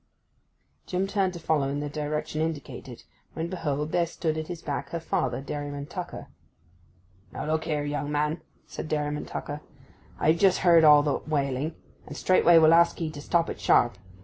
Jim turned to follow in the direction indicated, when, behold, there stood at his back her father, Dairyman Tucker. 'Now look here, young man,' said Dairyman Tucker. 'I've just heard all that wailing—and straightway will ask 'ee to stop it sharp.